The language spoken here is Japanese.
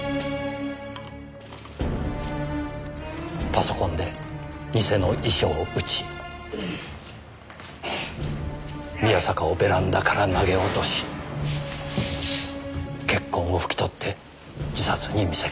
パソコンで偽の遺書を打ち宮坂をベランダから投げ落とし血痕を拭き取って自殺に見せかけた。